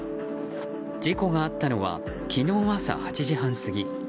事故があったのは昨日朝８時半過ぎ。